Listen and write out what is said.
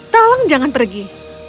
tolong jangan pergi